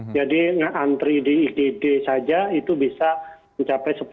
jadi antri di idd saja itu bisa mencapai